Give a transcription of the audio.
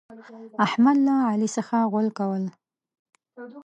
احمد له علي څخه غول کول.